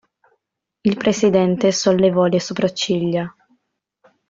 Il presidente sollevò le sopracciglia.